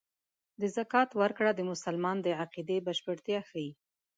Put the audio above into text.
د زکات ورکړه د مسلمان د عقیدې بشپړتیا ښيي.